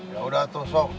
ya udah tuh sok